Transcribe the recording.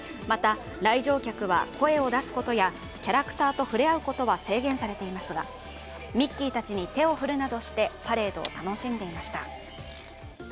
また来場客は声を出すことやキャラクターと触れ合うことは制限されていますがミッキーたちに手を振るなどしてパレードを楽しんでいました。